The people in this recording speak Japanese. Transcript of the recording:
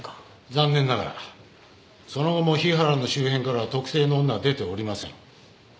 残念ながらその後も日原の周辺からは特定の女は出ておりません。